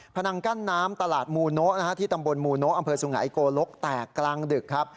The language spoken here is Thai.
นังกั้นน้ำตลาดมูโนะที่ตำบลมูโนะอำเภอสุงัยโกลกแตกกลางดึกครับ